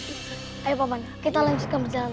cuma saya takut sama kalian